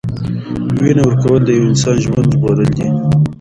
وینه ورکول د یو انسان ژوند ژغورل دي.